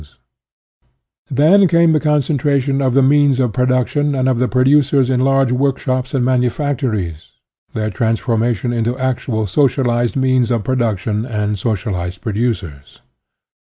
IO2 SOCIALISM Then came the concentration of the means of production and of the producers in large workshops and manufactories, their transformation into actual socialized means of production and socialized producers.